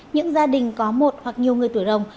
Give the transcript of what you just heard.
những gia đình có một hoặc nhiều người tuổi rồng